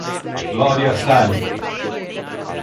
Gloria a Stalin!